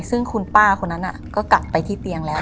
ซึ่งคุณป้าคนนั้นก็กลับไปที่เตียงแล้ว